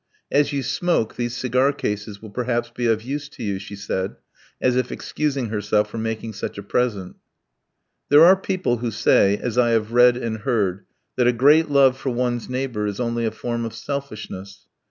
"As you smoke, these cigar cases will perhaps be of use to you," she said, as if excusing herself for making such a present. There are people who say, as I have read and heard, that a great love for one's neighbour is only a form of selfishness.